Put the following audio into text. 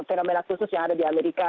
fenomena khusus yang ada di amerika